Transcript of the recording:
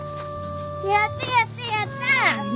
やったやったやった！